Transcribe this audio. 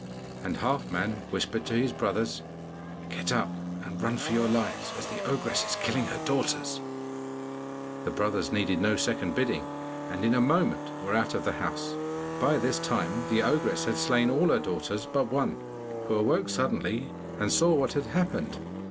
And Halfman whispered to his brothers, 'Get up and run for your lives, as the ogress is killing her daughters.' The brothers needed no second bidding, and in a moment were out of the house. By this time the ogress had slain all her daughters but one, who awoke suddenly and saw what had happened.